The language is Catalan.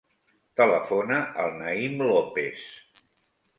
Telefona al Naïm Lopes.